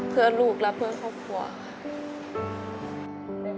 เพื่อลูกและเพื่อครอบครัวค่ะ